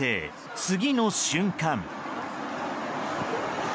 次の瞬間。